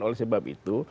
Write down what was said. oleh sebab itu